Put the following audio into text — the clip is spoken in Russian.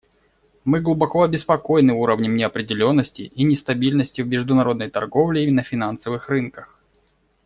Мы глубоко обеспокоены уровнем неопределенности и нестабильности в международной торговле и на финансовых рынках.